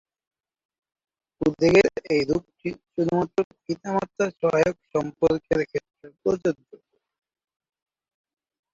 উদ্বেগের এই রূপটি শুধুমাত্র পিতামাতার সহায়ক সম্পর্কের ক্ষেত্রে প্রযোজ্য।